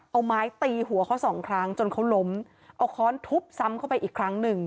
เอาไม้ตีหัวเขาสองครั้งจนเขาล้มเอาค้อนทุบซ้ำเข้าไปอีกครั้งหนึ่ง